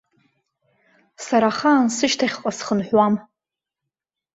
Сара ахаан сышьҭахьҟа схынҳәуам!